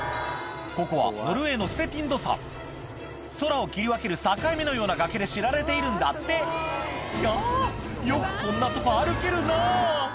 ここはノルウェーの空を切り分ける境目のような崖で知られているんだってひゃよくこんなとこ歩けるなぁ